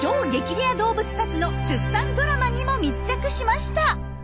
レア動物たちの出産ドラマにも密着しました！